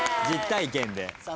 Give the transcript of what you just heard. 実体験で。